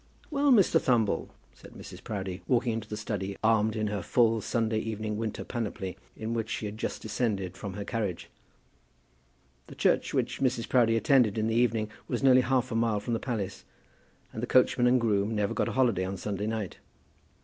"Well, Mr. Thumble?" said Mrs. Proudie, walking into the study, armed in her full Sunday evening winter panoply, in which she had just descended from her carriage. The church which Mrs. Proudie attended in the evening was nearly half a mile from the palace, and the coachman and groom never got a holiday on Sunday night.